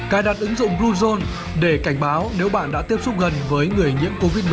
cài đặt ứng dụng bluezone để cảnh báo nếu bạn đã tiếp xúc gần với người nhiễm covid một mươi chín